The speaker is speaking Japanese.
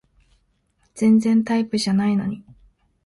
全然タイプじゃないのに